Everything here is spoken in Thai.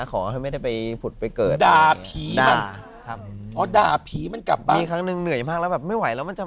ขอให้ไม่ได้ไปผุดไปเกิดด่าผีมันกลับมามีครั้งนึงเหนื่อยมากแล้วแบบไม่ไหวแล้ว